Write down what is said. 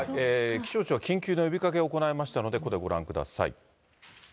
気象庁は緊急の呼びかけを行いましたので、これ、ご覧ください。